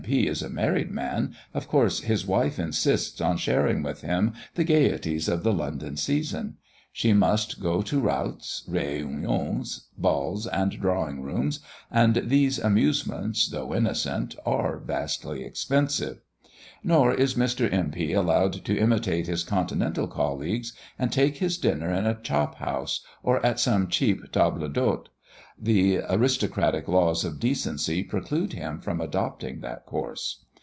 P. is a married man, of course his wife insists on sharing with him the "gaieties" of the London season; she must go to routs, réunions, balls, and drawing rooms, and these amusements, though innocent, are vastly expensive. Nor is Mr. M. P. allowed to imitate his Continental colleagues, and take his dinner in a chop house, or at some cheap table d'hôte; the aristocratic laws of decency preclude him from adopting that course.